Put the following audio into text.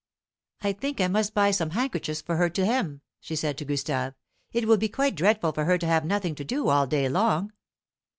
"I think I must buy some handkerchiefs for her to hem," she said to Gustave; "it will be quite dreadful for her to have nothing to do all day long."